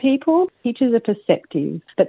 pelajar adalah pelajar yang berpengalaman